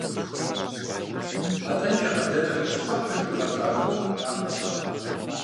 Атӏэми и къалэныр щӏыхь пылъу игъэзащӏэрт Нахъуэ и закъуэ.